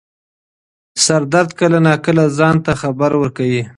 سردرد کله نا کله ځان ته خبر ورکوي.